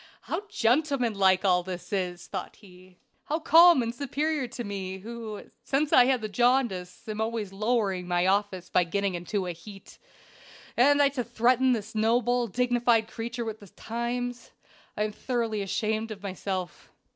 "How gentleman like all this is!" thought he. "How calm and superior to me, who, since I had the jaundice, am always lowering my office by getting into a heat! And I to threaten this noble, dignified creature with the Times. I am thoroughly ashamed of myself.